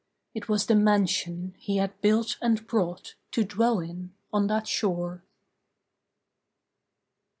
It was the mansion he had built and brought To dwell in, on that shore.